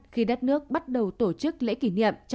khi đất nước bắt đầu tổ chức lễ kỷ niệm